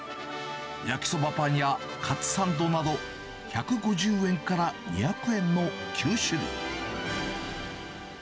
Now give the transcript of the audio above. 焼きそばパンやカツサンドなど、１５０円から２００円の９種類。